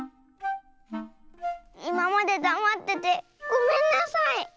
いままでだまっててごめんなさい！